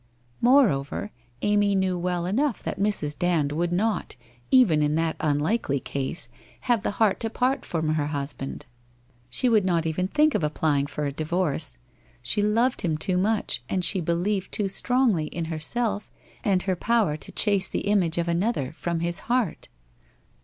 Moreover, Amy knew well enough that Mrs. Dand would not, even in that unlikely ease, have the heart to part from her husband. She would not even think of applying for a divorce. She loved him too much, and she believed too strongly in herself, and her power to chase the image of another from hia heart.